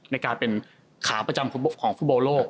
ในการเป็นขาประจำของฟุตบอลโลก